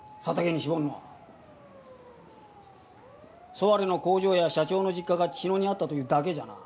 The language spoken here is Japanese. ソワレルの工場や社長の実家が茅野にあったというだけじゃな。